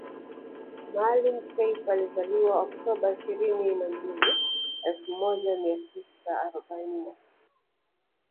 Maalim Self alizaliwa oktoba ishirini na mbili elfu moja mia tisa arobaini na tatu